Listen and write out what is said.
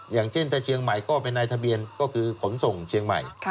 อย่างเช่นถ้าเชียงใหม่ก็เป็นนายทะเบียนก็คือขนส่งเชียงใหม่